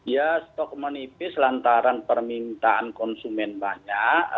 ya stok menipis lantaran permintaan konsumen banyak